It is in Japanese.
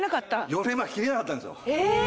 ４年前着れなかったんですよ